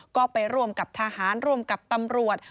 ก็ไปร่วมกับทหารร่วมกับตำรวจ